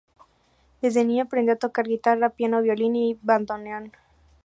Desde niño aprendió a tocar guitarra, piano, violín y bandoneón.